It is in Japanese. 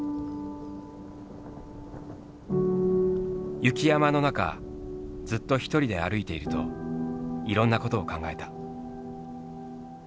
雪山の中ずっと一人で歩いているといろんなことを考えた。